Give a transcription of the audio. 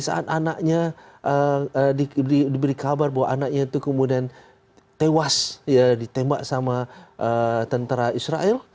saat anaknya diberi kabar bahwa anaknya itu kemudian tewas ditembak sama tentara israel